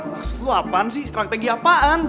maksud lo apaan sih strategi apaan